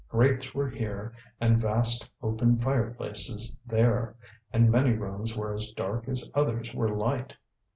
Grates were here, and vast open fireplaces there, and many rooms were as dark as others were light.